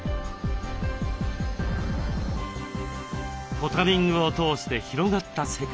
ポタリングを通して広がった世界。